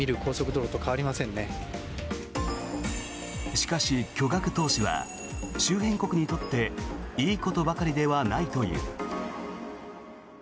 しかし、巨額投資は周辺国にとっていいことばかりではないという。